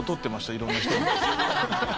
いろんな人に。